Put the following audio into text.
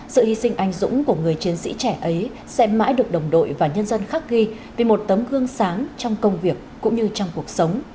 sự hy sinh anh dũng của người chiến sĩ trẻ ấy sẽ mãi được đồng đội và nhân dân khắc ghi vì một tấm gương sáng trong công việc cũng như trong cuộc sống